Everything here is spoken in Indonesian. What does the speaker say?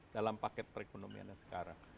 dalam paket perekonomiannya sekarang